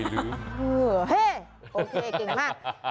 เฮ้โอเคเก่งมาก